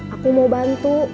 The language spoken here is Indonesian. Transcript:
aku mau bantu